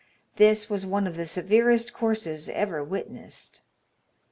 This was one of the severest courses ever witnessed.